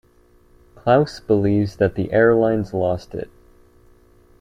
Klaus believes that the airlines lost it.